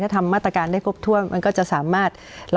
ถ้าทำมาตรการได้ครบถ้วนมันก็จะสามารถ